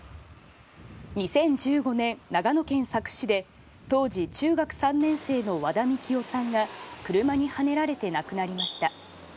２０１５年、長野県佐久市で当時中学３年生の和田樹生さんが車にはねられて亡くなりました。